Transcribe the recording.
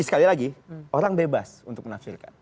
sekali lagi orang bebas untuk menafsirkan